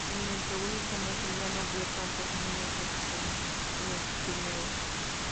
En el segundo semestre ya no vio tantos minutos como en el primero.